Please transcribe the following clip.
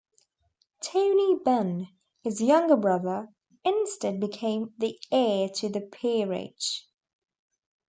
Tony Benn, his younger brother, instead became the heir to the peerage.